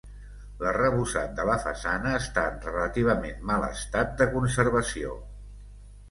L'arrebossat de la façana està en relativament mal estat de conservació.